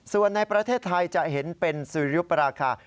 ส่วนในประเทศไทยจะเห็นเป็นสุริยุปราคา